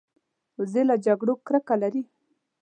وزې له جګړو کرکه لري